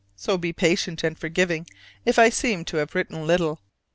So be patient and forgiving if I seem to have written little.